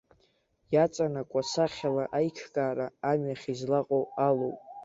Иаҵанакуа сахьала аиҿкаара амҩахь излаҟоу алоуп.